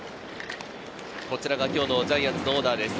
こちらが今日のジャイアンツのオーダーです。